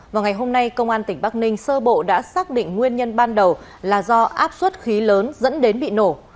vào ngày hôm nay công an tỉnh bắc ninh sơ bộ đã xác định nguyên nhân ban đầu là do áp suất khí lớn dẫn đến bị nổ